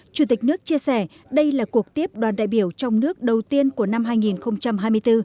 chủ tịch nước chia sẻ đây là cuộc tiếp đoàn đại biểu trong nước đầu tiên của năm hai nghìn hai mươi bốn